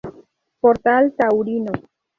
Portal Taurino.